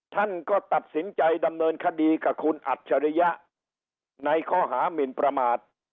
ท่านก็ตัดสินใจดำเนินคดีกับคุณอัจฉริยะในข้อหามินประมาท